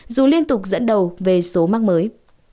dù liên tục dẫn đầu về số mắc mới